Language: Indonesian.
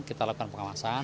kita lakukan pengawasan